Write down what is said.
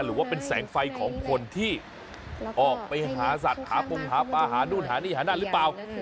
หรือว่าเป็นแสงไฟของคนที่ออกไปหาสัตว์หาปงหาปลาหานู่นหานี่หานั่นหรือเปล่า